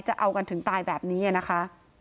จะเอากันถึงตายแบบนี้นะคะ